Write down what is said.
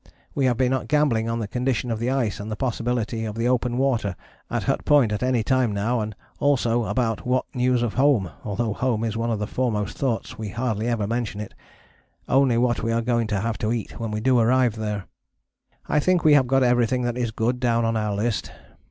We have been gambling on the condition of the ice and the possibility of the open water at Hut Point at any time now, and also about what news of home, although home is one of the foremost thoughts we hardly ever mention it, only what we are going to have to eat when we do arrive there. I think we have got everything that is good down on our list.